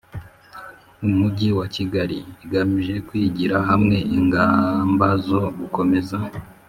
Umujyi wa Kigali igamije kwigira hamwe ingamba zo gukomeza